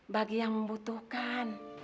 bagi yang membutuhkan